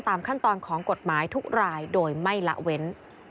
ตามขั้นตอนของกฎหมายทุกรายโดยไม่ละเว้น